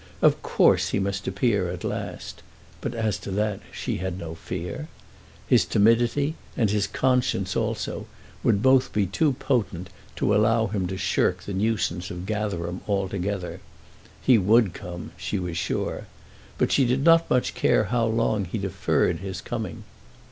Of course he must appear at last. But as to that she had no fear. His timidity, and his conscience also, would both be too potent to allow him to shirk the nuisance of Gatherum altogether. He would come, she was sure; but she did not much care how long he deferred his coming.